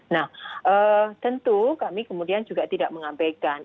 nah tentu kami kemudian juga tidak mengabaikan